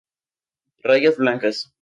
Bayas blancas.